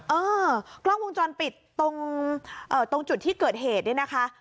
เออกล้องวงจรปิดตรงจุดที่เกิดเหตุเนี่ยนะคะ